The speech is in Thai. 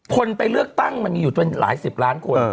คนไปเลือกตั้งมันมีอยู่จนหลายสิบล้านคน